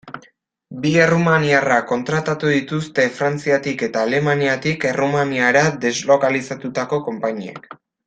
Bi errumaniarrak kontratatu dituzte Frantziatik eta Alemaniatik Errumaniara deslokalizatutako konpainiek.